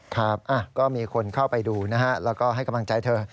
ครับก็มีคนเข้าไปดูนะฮะแล้วก็ให้กำลังใจเธอ